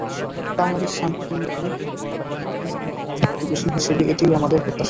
বাংলাদেশ শান্তিপূর্ণভাবে সমস্যার সমাধান করুক, বন্ধুপ্রতিম প্রতিবেশী হিসেবে এটিই আমাদের প্রত্যাশা।